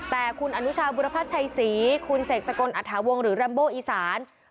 แต่คุณอนุชาบุรพัชชัยศรีคุณเสกสกลอัฐาวงหรือแรมโบอีสาน